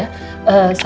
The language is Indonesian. salam buat pak surya